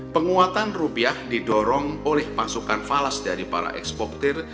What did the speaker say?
penguatan rupiah didorong oleh pasukan falas dari para eksportir